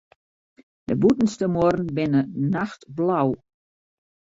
De bûtenste muorren binne nachtblau.